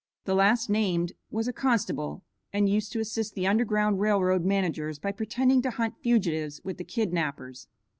The last named was a constable, and used to assist the Underground Rail Road managers by pretending to hunt fugitives with the kidnappers.